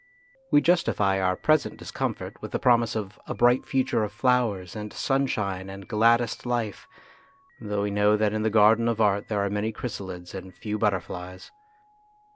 We justify our present discomfort with the promise of a bright future of flowers and sunshine and gladdest life, though we know that in the garden of art there are many chrysalides and few butterflies.